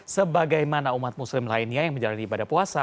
sebagai mana umat muslim lainnya yang menjalani ibadah puasa